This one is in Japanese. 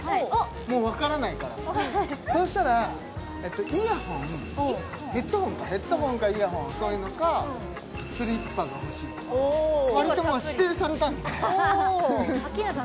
もうわからないからそうしたらイヤホンヘッドホンかヘッドホンかイヤホンそういうのかスリッパが欲しいわりとまあ指定されたんでおおアッキーナさん